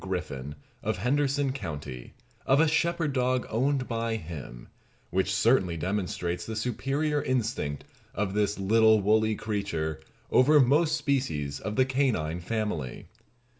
Griffin, of Henderson county, of a shepherd dog owned by him, which certainly demonstrates the superior instinct of this little woolly creature over most species of the canine family.